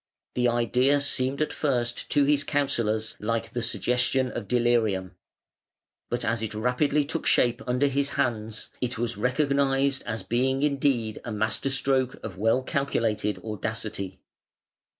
The idea seemed at first to his counsellors like the suggestion of delirium, but as it rapidly took shape under his hands, it was recognised as being indeed a masterstroke of well calculated audacity.